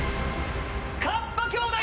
カッパ兄弟！